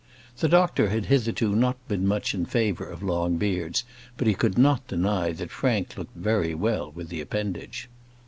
The doctor had hitherto not been much in favour of long beards, but he could not deny that Frank looked very well with the appendage.